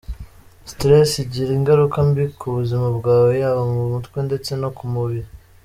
Stress igira ingaruka mbi ku buzima bwawe yaba mu mutwe ndetse no ku mubiri.